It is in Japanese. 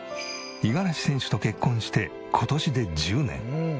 五十嵐選手と結婚して今年で１０年。